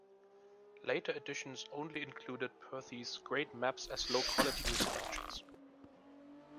Later editions only included Perthes' great maps as low quality reproductions.